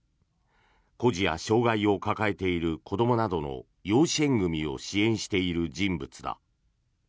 孤児や、障害を抱えている子どもなどの養子縁組を支援している人物だ。